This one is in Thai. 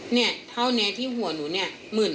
เนี่ยเท่านี้ที่หัวหนูเนี่ย